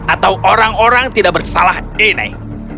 atau orang orang tidak bersalah ini